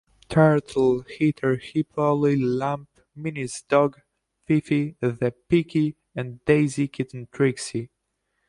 Turtle, Heather Hippo, Lilly Lamb, Minnie's dog Fifi the Peke and Daisy's kitten Trixie.